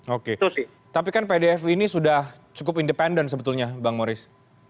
oke tapi kan pdf ini sudah cukup independen sebetulnya bang moris